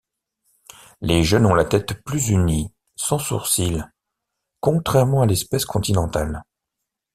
Les jeunes ont la tête plus unie, sans sourcil, contrairement à l'espèce continentale.